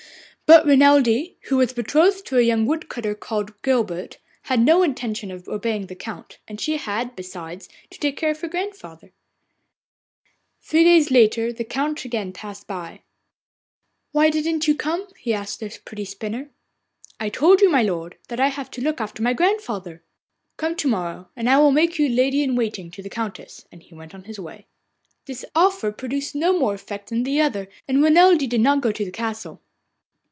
But Renelde, who was betrothed to a young wood cutter called Guilbert, had no intention of obeying the Count, and she had, besides, to take care of her grandmother. Three days later the Count again passed by. 'Why didn't you come?' he asked the pretty spinner. 'I told you, my lord, that I have to look after my grandmother.' 'Come to morrow, and I will make you lady in waiting to the Countess,' and he went on his way. This offer produced no more effect than the other, and Renelde did not go to the castle.